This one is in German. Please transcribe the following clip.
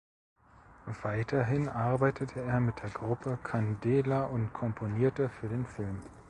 Weiterhin arbeitete er mit der Gruppe "Candela" und komponierte für den Film.